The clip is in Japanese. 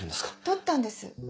盗ったんです。